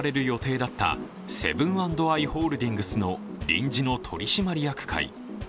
今日行われる予定だったセブン＆アイ・ホールディングスの臨時の取締役会。